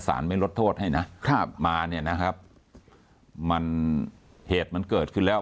สารไปลดโทษให้นะมาเนี่ยนะครับเหตุมันเกิดขึ้นแล้ว